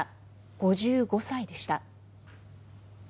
５５歳でした。